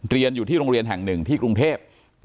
เรียนอยู่ที่โรงเรียนแห่งหนึ่งที่กรุงเทพ